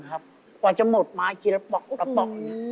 ทำทั้งหนึ่งได้ใช้เวลากี่ชั่วโมง